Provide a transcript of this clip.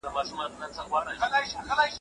په قافله کي هيچا د يوسف خيال نه ساتی.